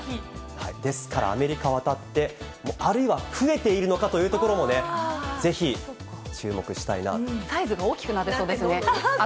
ですからアメリカ渡って、あるいは増えているのかというところもサイズが大きくなってそうですね。